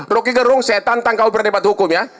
roke gerung setan tangkau berdebat hukum ya